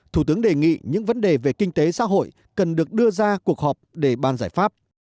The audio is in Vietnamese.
thủ tướng đề nghị những vấn đề về kinh tế xã hội cần được đưa ra cuộc họp để ban giải pháp